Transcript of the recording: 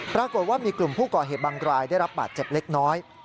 ปรากฏว่ามีกลุ่มผู้ก่อเหตุบางรายได้รับบาดเจ็บเล็กน้อย